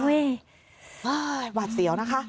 โอ้โฮวาดเสียวนะคะ